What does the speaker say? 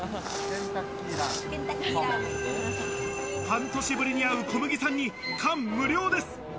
半年ぶりに会う小麦さんに感無量です。